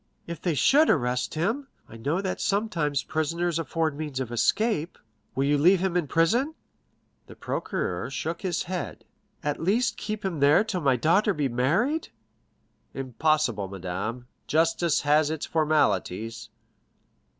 "If they should arrest him (I know that sometimes prisons afford means of escape), will you leave him in prison?" The procureur shook his head. "At least keep him there till my daughter be married." "Impossible, madame; justice has its formalities."